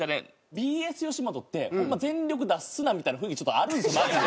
ＢＳよしもとってホンマ全力出すなみたいな雰囲気ちょっとあるんですよマジで。